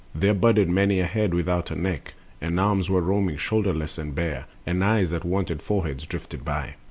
There budded many a head without a neck, And arms were roaming, shoulderless and bare, And eyes that wanted foreheads drifted by.